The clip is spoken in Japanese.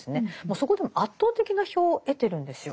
そこでも圧倒的な票を得てるんですよ。